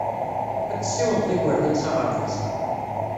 Ad tessiwḍeḍ igerdan s aɣerbaz.